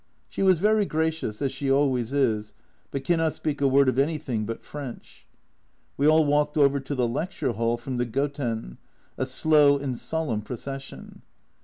She was very gracious, as she always is, but cannot speak a word of anything but French. We all walked over to the Lecture Hall from the Goten a slow and solemn procession.